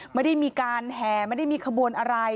ไม่ได้มีการแห่ไม่ได้มีขบวนอะไร